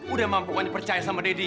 udah mampu kan percaya sama daddy ya